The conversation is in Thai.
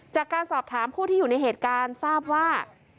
จากการสอบถามผู้ที่อยู่ในเหตุการณ์ทราบว่า